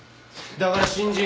だから新人！